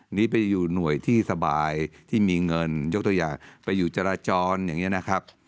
หนีไปอยู่หน่วยที่สบายที่มีเงินยกตัวอย่างไปอยู่จราจรอย่างนี้นะครับ